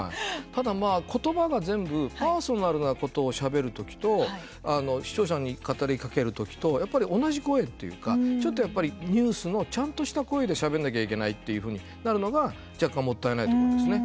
ただまあ、ことばが全部パーソナルなことをしゃべるときと視聴者に語りかけるときとやっぱり同じ声っていうかちょっとやっぱりニュースのちゃんとした声でしゃべんなきゃいけないっていうふうになるのが若干もったいないと思いますよね。